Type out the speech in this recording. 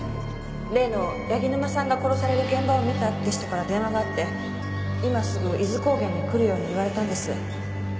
例の柳沼さんが殺される現場を見たって人から電話があって今すぐ伊豆高原に来るように言われたんです。